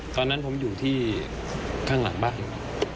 ตอนนั้นผมอยู่ที่ข้างหลังบ้านอยู่